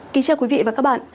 kính chào quý vị và các bạn